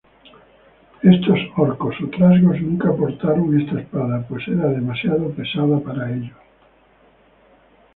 Estos orcos o trasgos nunca portaron esta espada, pues era demasiado pesada para ellos.